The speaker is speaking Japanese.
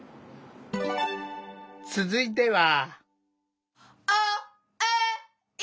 続いては。